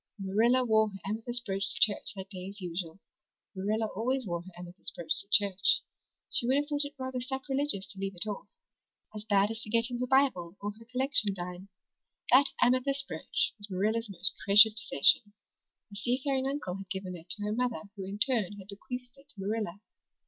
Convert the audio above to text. Marilla wore her amethyst brooch to church that day as usual. Marilla always wore her amethyst brooch to church. She would have thought it rather sacrilegious to leave it off as bad as forgetting her Bible or her collection dime. That amethyst brooch was Marilla's most treasured possession. A seafaring uncle had given it to her mother who in turn had bequeathed it to Marilla.